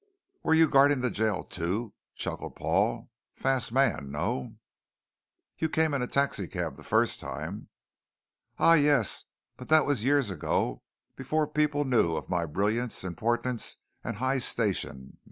"Were you guarding the jail too?" chuckled Paul. "Fast man, no?" "You came in a taxicab the first time." "Ah yes. But that was years ago before people knew of my brilliance, importance, and high station.